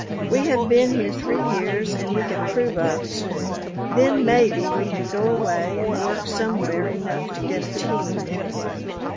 We have been here three years and we can prove up soon; then maybe we can go away and work somewhere, enough to get a team anyway.